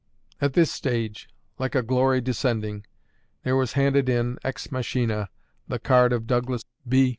At this stage, like a glory descending, there was handed in, ex machina, the card of Douglas B.